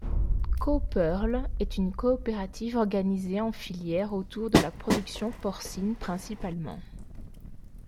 Cooperl est une coopérative organisée en filière autour de la production porcine principalement.